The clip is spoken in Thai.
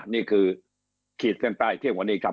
นี่คือขีดเส้นใต้เที่ยงวันนี้ครับ